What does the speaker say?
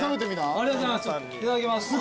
ありがとうございます。